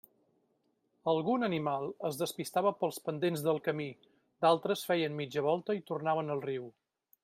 Algun animal es despistava pels pendents del camí, d'altres feien mitja volta i tornaven al riu.